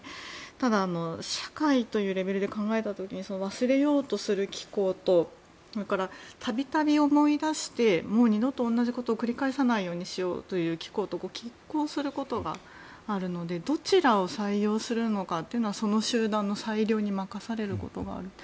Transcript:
ただ、社会というレベルで考えた時に忘れようとする機構とそれから、度々思い出してもう二度と同じことを繰り返さないようにしようというのが拮抗することがあるのでどちらを採用するのかというのはその集団の裁量に任されることがある。